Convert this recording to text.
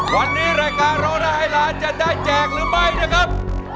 วันนี้รายการร้องได้ให้ล้านจะได้แจกหรือไม่นะครับ